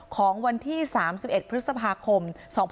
ของวันที่๓๑พฤษภาคม๒๕๖๒